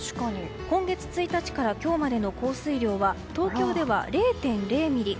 今月１日から今日までの降水量は東京では０．０ミリ。